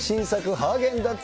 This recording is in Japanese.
ハーゲンダッツ